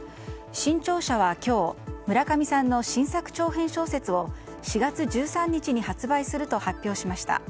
新潮社は今日村上さんの新作長編小説を４月１３日に発売すると発表しました。